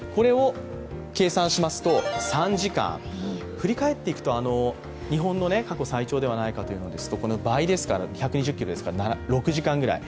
振り返っていくと、日本の過去最長ではないかとされるものですとこの倍ですから、１２０ｋｍですから６時間ぐらい。